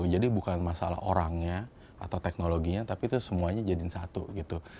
jadi bukan masalah orangnya atau teknologinya tapi itu semuanya jadi satu